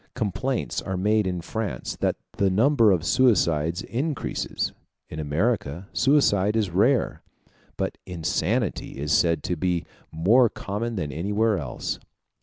Complaints are made in France that the number of suicides increases; in America suicide is rare, but insanity is said to be more common than anywhere else.